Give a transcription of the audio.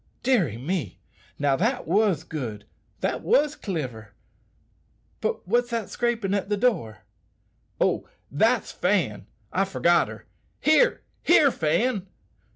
"Deary me! now that was good, that was cliver. But what's that scraping at the door?" "Oh! that's Fan; I forgot her. Here! here! Fan!